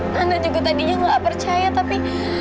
nana juga tadinya nggak percaya tapi